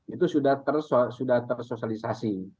itu sudah tersosialisasi